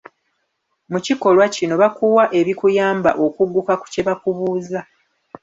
Mu kikolwa kino bakuwa ebikuyamba okugguka ku kye bakubuuza.